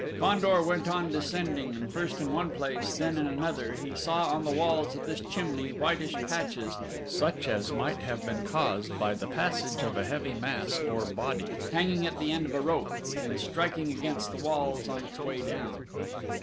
Fandor went on descending, and first in one place, then in another, he saw on the walls of this chimney whitish patches such as might have been caused by the passage of a heavy mass or body, hanging at the end of a rope, and striking against the walls on its way down.